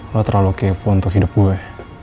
lo terlalu kepo untuk hidup gue